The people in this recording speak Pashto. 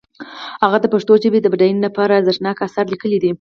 هغه د پښتو ژبې د بډاینې لپاره ارزښتناک آثار لیکلي دي.